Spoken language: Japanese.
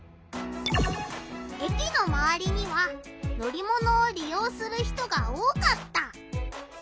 駅のまわりには乗り物をりようする人が多かった。